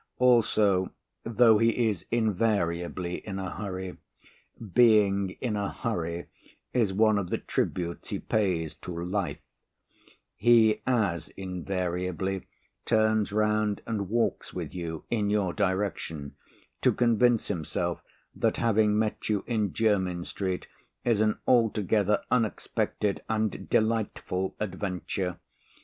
Also, though he is invariably in a hurry being in a hurry is one of the tributes he pays to life he as invariably turns round and walks with you, in your direction, to convince himself that having met you in Jermyn Street is an altogether unexpected and delightful adventure.